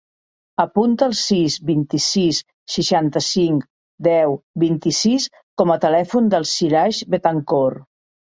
Apunta el sis, vint-i-sis, seixanta-cinc, deu, vint-i-sis com a telèfon del Siraj Betancor.